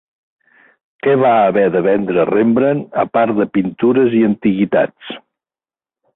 Què va haver de vendre Rembrandt a part de pintures i antiguitats?